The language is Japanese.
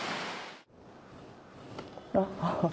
あっ。